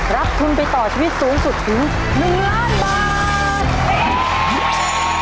รับทุนไปต่อชีวิตสูงสุดถึง๑ล้านบาท